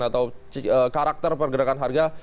atau karakter pergerakan harga